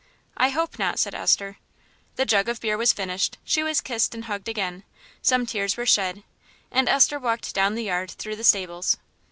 "I hope not," said Esther. The jug of beer was finished; she was kissed and hugged again, some tears were shed, and Esther walked down the yard through the stables.